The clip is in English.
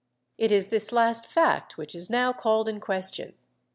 It is this last fact which is now called in question.